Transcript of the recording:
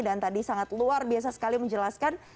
dan tadi sangat luar biasa sekali menjelaskan